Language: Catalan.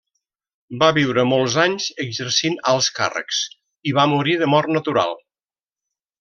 Va viure molts anys exercint alts càrrecs i va morir de mort natural.